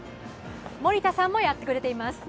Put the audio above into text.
森田さんもやってくれています。